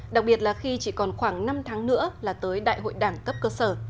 đặc biệt là khi chỉ còn khoảng năm tháng nữa là tới đại hội đảng cấp cơ sở